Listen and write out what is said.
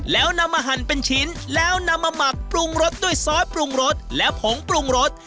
แล้วนำมาหั่นเป็นชิ้นแล้วนำมาหมักปรุงรสด้วยซอสปรุงรสและผงปรุงรส